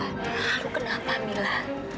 lalu kenapa mila